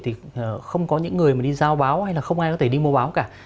thì không có những người mà đi giao báo hay là không ai có thể đi mua báo cả